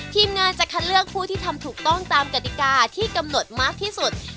ทีมงานจะคัดเลือกผู้ที่ทำถูกต้องตามกติกาที่กำหนดมากที่สุด